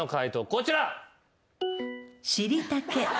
こちら。